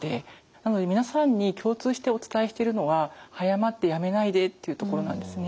なので皆さんに共通してお伝えしてるのは「早まって辞めないで」っていうところなんですね。